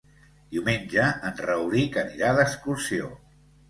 Diumenge en Rauric anirà d'excursió.